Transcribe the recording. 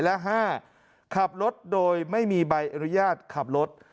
และ๕ขับรถโดยไม่มีใบอนุญาตขับรถ